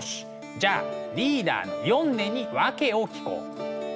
じゃあリーダーのヨンネに訳を聞こう。